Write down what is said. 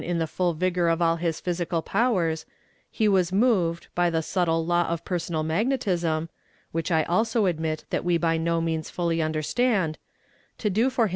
M 71 in the full vigor of all his physical powers, he \va8 moved, by the subtlo law of [xTsoual niagiietism, — which I also admit tliat wo by no means fully un derstand, — to do for hims